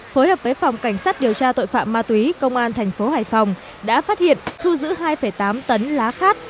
phối hợp với phòng cảnh sát điều tra tội phạm ma túy công an thành phố hải phòng đã phát hiện thu giữ hai tám tấn lá khát